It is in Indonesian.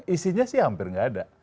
isinya sih hampir nggak ada